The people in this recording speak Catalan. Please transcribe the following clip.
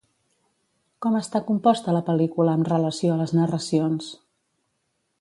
Com està composta la pel·lícula amb relació a les narracions?